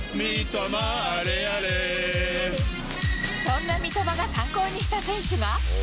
そんな三笘が参考にした選手